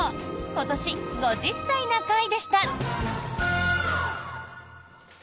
「今年５０歳な会」でした。